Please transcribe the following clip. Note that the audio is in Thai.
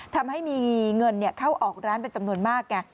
ทำให้มีเงินเข้าออกร้านเป็นจำนวนมากไง